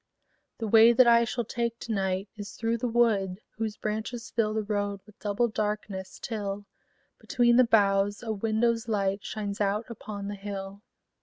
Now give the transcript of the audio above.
The way that I shall take to night Is through the wood whose branches fill The road with double darkness, till, Between the boughs, a window's light Shines out upon the hill.